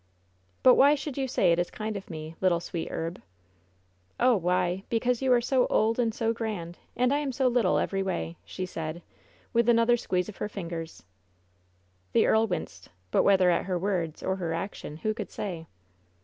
"But why should you say it is kind of me, little sweet herb? "Oh, why, because you are so old and so grand; and I am so little every way! she said, with another squeeze of his fingers. The earl winced; but whether at her words or her ac tion, who could say?